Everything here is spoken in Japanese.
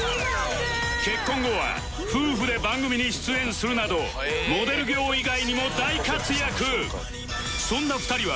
結婚後は夫婦で番組に出演するなどモデル業以外にも大活躍